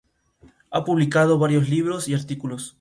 Ha publicado varios libros y artículos.